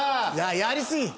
やりすぎ！